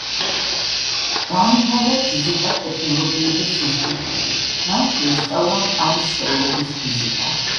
დაამთავრა ფიზიკა-ტექნოლოგიების ინსტიტუტი; მან შეისწავლა მყარი სხეულების ფიზიკა.